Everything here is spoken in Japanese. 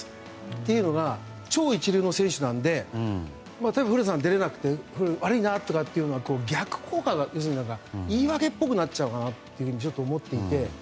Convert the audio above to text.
というのが超一流の選手なので例えば、古田さん出られなくて悪いなというのは逆効果、要するに言い訳っぽくなっちゃうかなとちょっと思っていて。